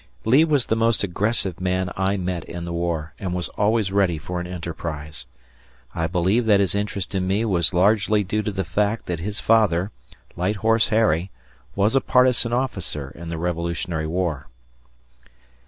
Lee was the most aggressive man I met in the war, and was always ready for an enterprise. I believe that his interest in me was largely due to the fact that his father, "Light Horse Harry", was a partisan officer in the Revolutionary War.